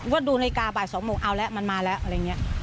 ดูนาฬิกาบ่าย๒โมงเอาแล้วมันมาแล้วอะไรอย่างนี้